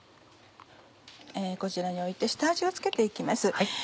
こちらに置いて下味を付けて行きます。